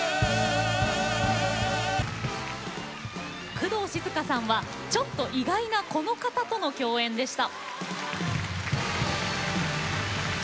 工藤静香さんはちょっと意外なこの方との共演でした。